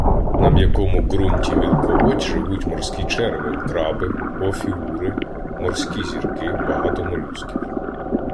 На м'якому ґрунті мілководь живуть морські черви, краби, офіури, морські зірки, багато молюсків.